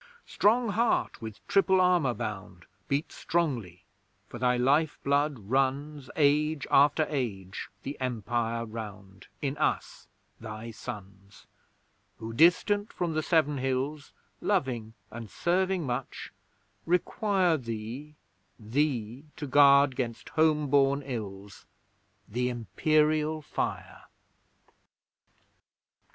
Strong heart with triple armour bound, Beat strongly, for thy life blood runs, Age after Age, the Empire round In us thy Sons, Who, distant from the Seven Hills, Loving and serving much, require Thee, thee to guard 'gainst home born ills The Imperial Fire!